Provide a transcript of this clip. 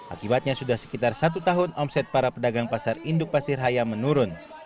akibatnya sudah sekitar satu tahun omset para pedagang pasar induk pasir haya menurun